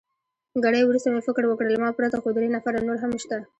ګړی وروسته مې فکر وکړ، له ما پرته خو درې نفره نور هم شته.